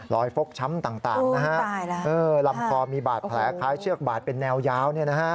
ฟกช้ำต่างนะฮะลำคอมีบาดแผลคล้ายเชือกบาดเป็นแนวยาว